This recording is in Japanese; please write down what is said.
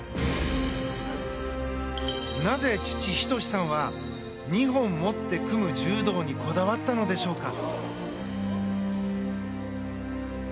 なぜ父・仁さんは二本持って組む柔道にこだわったのでしょうか。